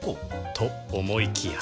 と思いきや